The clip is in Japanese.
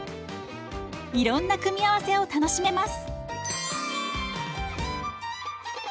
いろんな組み合わせを楽しめます。